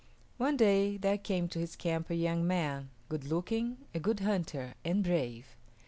One day there came to his camp a young man, good looking, a good hunter, and brave.